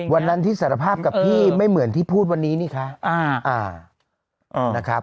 วันนั้นที่สารภาพกับพี่ไม่เหมือนที่พูดวันนี้นี่คะนะครับ